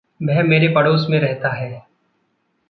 वह मेरे पड़ोस में रहता है।